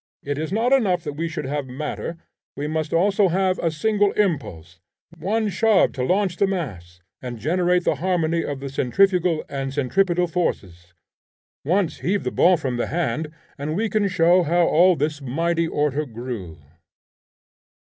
It is not enough that we should have matter, we must also have a single impulse, one shove to launch the mass and generate the harmony of the centrifugal and centripetal forces. Once heave the ball from the hand, and we can show how all this mighty order grew.'